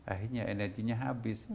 akhirnya energinya habis